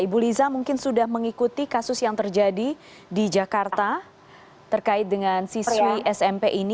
ibu liza mungkin sudah mengikuti kasus yang terjadi di jakarta terkait dengan siswi smp ini